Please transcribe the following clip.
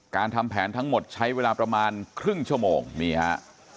ทำแผนทั้งหมดใช้เวลาประมาณครึ่งชั่วโมงนี่ฮะ